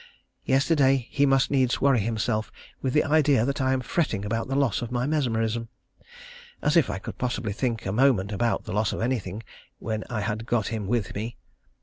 Yesterday he must needs worry himself with the idea that I am fretting about the loss of my mesmerism, as if I could possibly think a moment about the loss of anything when I had got him with me.